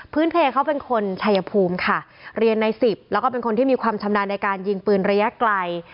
เพลเขาเป็นคนชัยภูมิค่ะเรียนในสิบแล้วก็เป็นคนที่มีความชำนาญในการยิงปืนระยะไกล